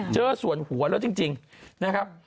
เจอส่วนหัวแล้วจริงนะครับ